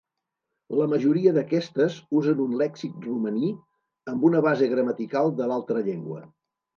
La majoria d'aquestes usen un lèxic romaní amb una base gramatical de l'altra llengua.